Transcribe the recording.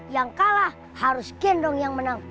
yang kalah harus gendong yang menang